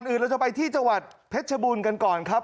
เราจะไปที่จังหวัดเพชรบุญกันก่อนครับ